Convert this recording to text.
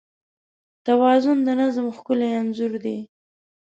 توازن د نظم ښکلی انځور دی.